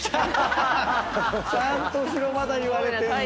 ちゃんとしろまだ言われてんだ。